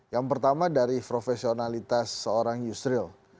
yang pertama dari profesionalitas seorang yusril